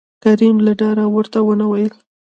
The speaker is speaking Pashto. کريم له ډاره ورته ونه ويل